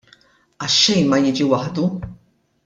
Għax xejn ma jiġi waħdu!